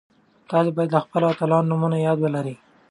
تاسي باید د خپلو اتلانو نومونه په یاد ولرئ.